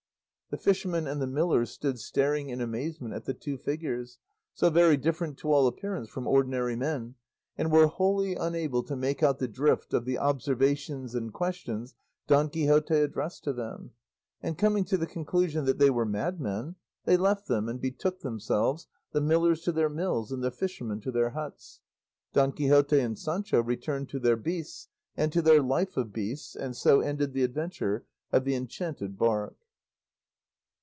The fishermen and the millers stood staring in amazement at the two figures, so very different to all appearance from ordinary men, and were wholly unable to make out the drift of the observations and questions Don Quixote addressed to them; and coming to the conclusion that they were madmen, they left them and betook themselves, the millers to their mills, and the fishermen to their huts. Don Quixote and Sancho returned to their beasts, and to their life of beasts, and so ended the adventure of the enchanted bark.